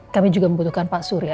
kami juga membutuhkan pak surya